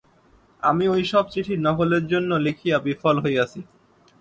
আমি ঐ সব চিঠির নকলের জন্য লিখিয়া বিফল হইয়াছি।